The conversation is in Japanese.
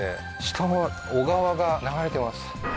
下は小川が流れてます